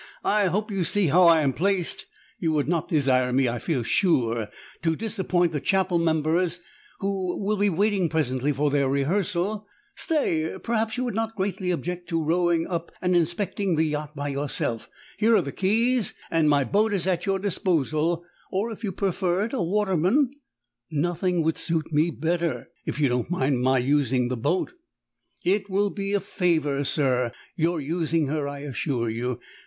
I hope you see how I am placed? You would not desire me, I feel sure, to disappoint the chapel members who will be waiting presently for their rehearsal. Stay ... perhaps you would not greatly object to rowing up and inspecting the yacht by yourself? Here are the keys, and my boat is at your disposal; or, if you prefer it, a waterman " "Nothing would suit me better, if you don't mind my using the boat." "It will be a favour, sir, your using her, I assure you.